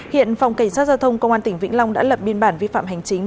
hiện phòng cảnh sát giao thông công an tỉnh vĩnh long đã lập biên bản vi phạm hành chính